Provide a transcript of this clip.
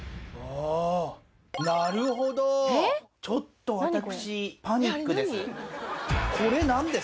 ちょっと私。